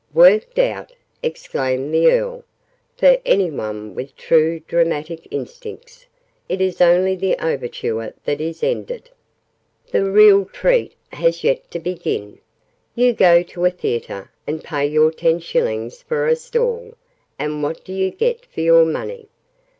"Worked out!" exclaimed the Earl. "For any one with true dramatic instincts, it is only the Overture that is ended! The real treat has yet to begin. You go to a theatre, and pay your ten shillings for a stall, and what do you get for your money?